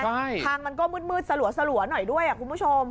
ใช่ทางมันก็มืดสลัวหน่อยด้วยคุณผู้ชม